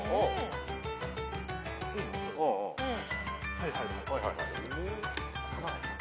はいはいはい。